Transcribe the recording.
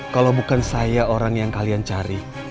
kalau bukan saya orang yang kalian cari